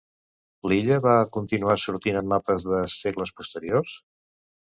L'illa va continuar sortint en mapes de segles posteriors?